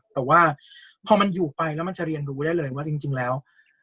แต่ว่าพอมันอยู่ไปแล้วมันจะเรียนรู้ได้เลยว่าจริงแล้ว